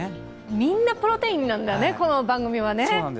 みんなプロテインなんだね、この番組はね。